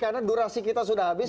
karena durasi kita sudah habis